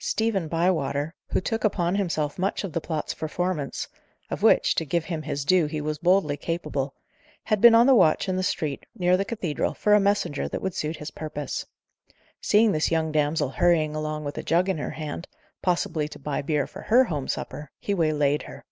Stephen Bywater, who took upon himself much of the plot's performance of which, to give him his due, he was boldly capable had been on the watch in the street, near the cathedral, for a messenger that would suit his purpose. Seeing this young damsel hurrying along with a jug in her hand, possibly to buy beer for her home supper, he waylaid her.